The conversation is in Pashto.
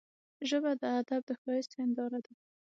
ژبه د ادب د ښايست هنداره ده